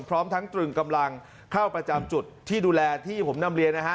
พร้อมทั้งตรึงกำลังเข้าประจำจุดที่ดูแลที่ผมนำเรียนนะฮะ